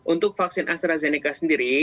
untuk vaksin astrazeneca sendiri